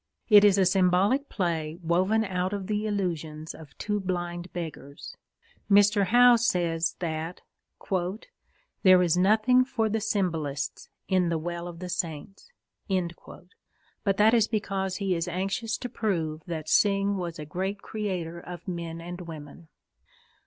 It is a symbolic play woven out of the illusions of two blind beggars. Mr. Howe says that "there is nothing for the symbolists in The Well of the Saints," but that is because he is anxious to prove that Synge was a great creator of men and women.